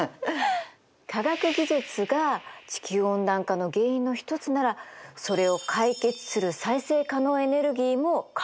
科学技術が地球温暖化の原因の一つならそれを解決する再生可能エネルギーも科学の力なの。